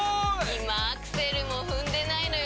今アクセルも踏んでないのよ